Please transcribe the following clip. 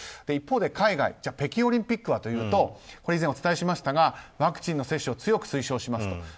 一方で海外北京オリンピックはというと以前お伝えしましたがワクチンの接種を強く推奨します